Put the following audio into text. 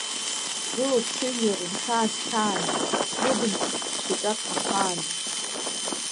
Сгылоуп, сыжәлар рхьаа схьааны, срыдымҵыцт шьаҿак ахааны.